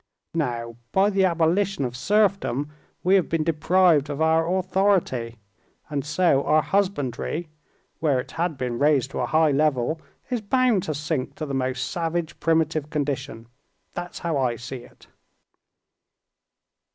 Now, by the abolition of serfdom we have been deprived of our authority; and so our husbandry, where it had been raised to a high level, is bound to sink to the most savage primitive condition. That's how I see it."